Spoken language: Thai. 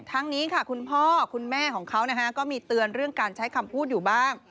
ทั้งนี้ค่ะคุณพ่อคุณแม่ของเขาก็มีเตือนเรื่องการใช้คำพูดอยู่บ้าง